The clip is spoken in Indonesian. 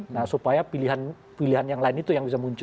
nah supaya pilihan yang lain itu yang bisa muncul